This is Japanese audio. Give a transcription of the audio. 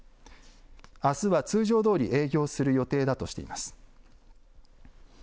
あすは通常どおり営業する予定だとしています。